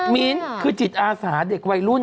มีนคือจิตอาสาธรรมเด็กวัยรุ่น